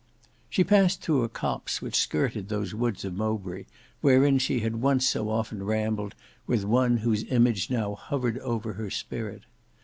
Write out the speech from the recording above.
She passed through a copse which skirted those woods of Mowbray wherein she had once so often rambled with one whose image now hovered over her spirit.